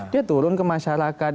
dia turun ke masyarakat